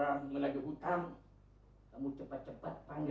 bagaimana kamu akan memulai hidup yang seperti ini